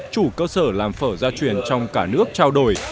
chủ cơ sở làm phở gia truyền trong cả nước trao đổi